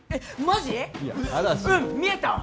うん、見えたわ！